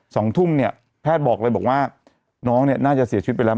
สองทุ่มเนี่ยแพทย์บอกเลยบอกว่าน้องเนี่ยน่าจะเสียชีวิตไปแล้ว